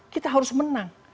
kita harus menang